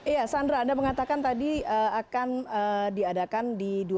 iya sandra anda mengatakan tadi akan diadakan di